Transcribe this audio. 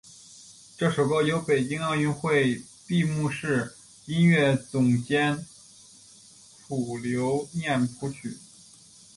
这首歌由北京奥运会闭幕式音乐总监卞留念谱曲。